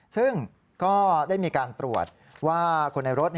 ซึ่งก็ได้มีการตรวจว่าคนในรถ